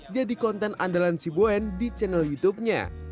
jadi konten andalan si boen di channel youtubenya